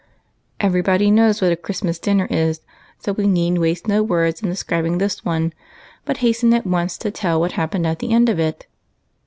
Everybody knows what a Christmas dinner is, so we need waste no words in describing this one, but hasten at once to tell what happened at the end of it.